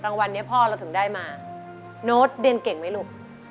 รางวัลนี้พ่อเราถึงได้มาโน้ตเรียนเก่งไหมลูก